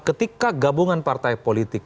ketika gabungan partai politik